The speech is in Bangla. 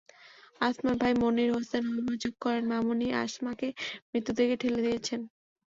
আসমার ভাই মনির হোসেন অভিযোগ করেন, মামুনই আসমাকে মৃত্যুর দিকে ঠেলে দিয়েছেন।